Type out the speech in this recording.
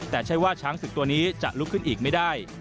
แต่ใช่ว่าช้างศึกตัวนี้จะลุกขึ้นอีกไม่ได้